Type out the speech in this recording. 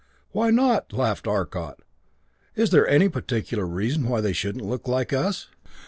"Why not?" laughed Arcot. "Is there any particular reason why they shouldn't look like us?